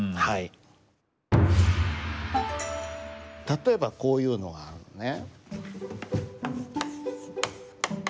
例えばこういうのがあるのね。